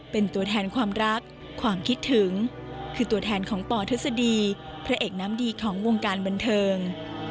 เป็นตัวแทนความรักความคิดถึงคือตัวแทนของปทฤษฎีพระเอกน้ำดีของวงการบันเทิง